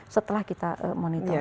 setelah kita monitor